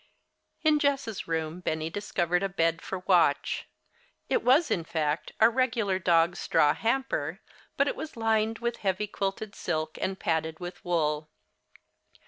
In Jess' room Benny discovered a bed for Watch. It was, in fact, a regular dog's straw hamper, but it was lined with heavy quilted silk and padded with wool.